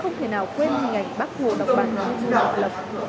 không thể nào quên hình ảnh bác hồ đọc bằng và hồ đọc lập